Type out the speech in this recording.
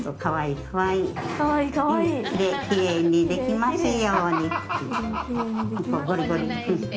きれい、きれいにできますようにって。